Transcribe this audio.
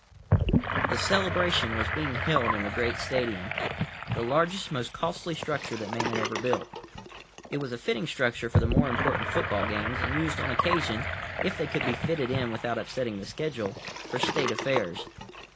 ———— The celebration was being held in the Great Stadium, the largest, most costly structure that Man had ever built. It was a fitting structure for the more important football games; and used on occasion, if they could be fitted in without upsetting the schedule, for State affairs.